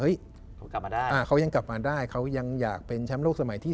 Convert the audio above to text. เฮ้ยเขายังกลับมาได้เขายังอยากเป็นแชมป์โลกสมัยที่๓